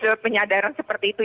dari penyadaran seperti itu